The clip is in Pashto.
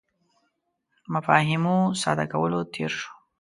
مفاهیمو ساده کولو تېر شو.